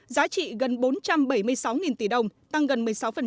giá trị gần bốn trăm bảy mươi sáu tỷ đồng tăng gần một mươi sáu